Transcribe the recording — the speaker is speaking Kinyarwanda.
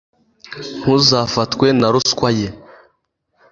ntuzafatwe na ruswa ye